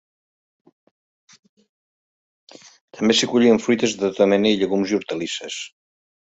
També s'hi collien fruites de tota mena i llegums i hortalisses.